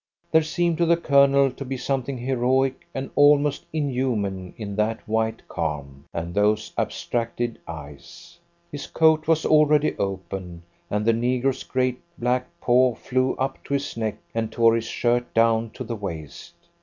There seemed to the Colonel to be something heroic and almost inhuman in that white calm, and those abstracted eyes. His coat was already open, and the Negro's great black paw flew up to his neck and tore his shirt down to the waist.